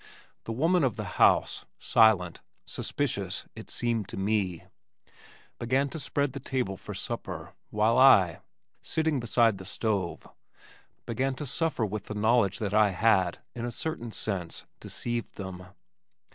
The woman of the house, silent, suspicious (it seemed to me) began to spread the table for supper while I, sitting beside the stove, began to suffer with the knowledge that I had, in a certain sense, deceived them.